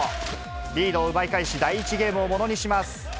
リードを奪い返し、第１ゲームをものにします。